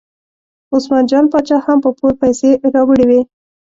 عثمان جان باچا هم په پور پیسې راوړې وې.